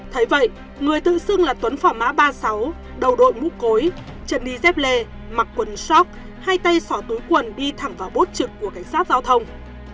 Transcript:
thấy vậy người tự xưng là tuấn phỏ má ba mươi sáu đầu đội múc cối trần đi dép lê mặc quần shock hay tay sỏ túi quần đi thẳng vào bốt trực của cảnh sát giao thông